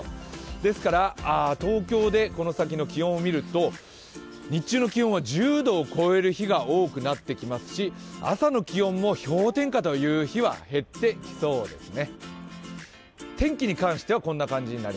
ですから、東京でこの先の気温を見ると日中の気温は１０度を超える日が多くなってきますし朝の気温も氷点下という日は減ってきそうですね。